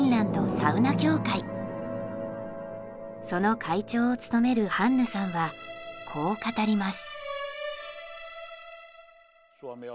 その会長を務めるハンヌさんはこう語ります。